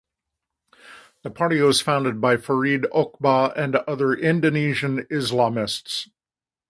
The party was founded by Farid Okbah and other Indonesian Islamists.